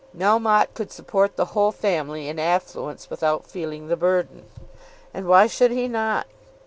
Melmotte could support the whole family in affluence without feeling the burden; and why should he not?